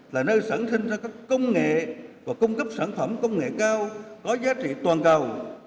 là nơi sẵn sinh ra các công nghệ và cung cấp sản phẩm công nghệ cao có giá trị toàn cầu